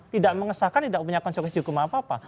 tidak mengesahkan tidak punya konsekuensi hukum apa apa